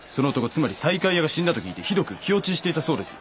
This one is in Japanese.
つまり西海屋が死んだと聞いてひどく気落ちしていたそうです。